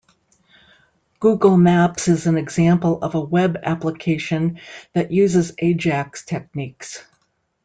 Google Maps is an example of a web application that uses Ajax techniques.